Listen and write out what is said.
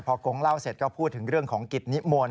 พอกงเล่าเสร็จก็พูดถึงเรื่องของกิจนิมนต์